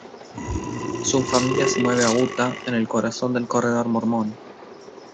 Su familia se mueve a Utah, en el corazón del Corredor Mormón.